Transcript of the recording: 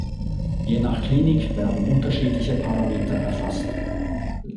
Je nach Klinik werden unterschiedliche Parameter erfasst.